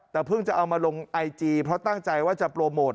แต่เพิ่งจะเอามาลงไอจีเพราะตั้งใจว่าจะโปรโมท